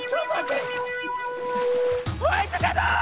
ホワイトシャドー！